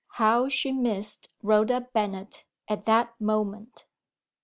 How she missed Rhoda Bennet at that moment!